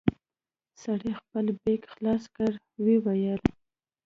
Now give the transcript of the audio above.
سړي خپل بېګ خلاص کړ ويې ويل.